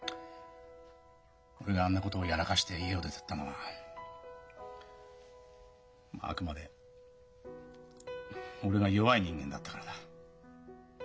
俺があんなことをやらかして家を出てったのはあくまで俺が弱い人間だったからだ。